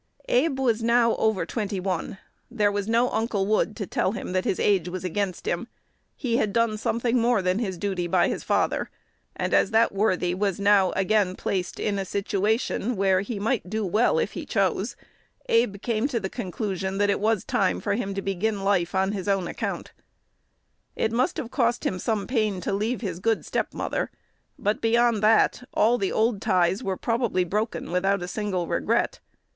Abe was now over twenty one. There was no "Uncle Wood to tell him that his age was against him:" he had done something more than his duty by his father; and, as that worthy was now again placed in a situation where he might do well if he chose, Abe came to the conclusion that it was time for him to begin life on his own account. It must have cost him some pain to leave his good step mother; but, beyond that, all the old ties were probably broken without a single regret.